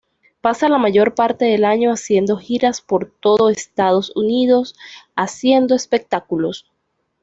Pasa la mayor parte del año haciendo giras por todo Estados Unidos haciendo espectáculos.